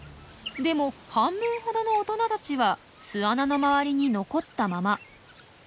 でも半分ほどの大人たちは巣穴の周りに残ったまま。